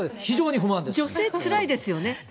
不女性、つらいですよね。